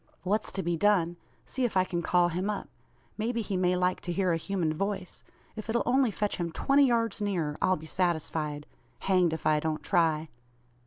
"What's to be done? See if I can call him up. May be he may like to hear a human voice. If it'll only fetch him twenty yards nearer, I'll be satisfied. Hanged if I don't try."